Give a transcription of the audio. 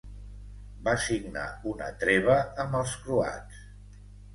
Va signar una treva amb els croats.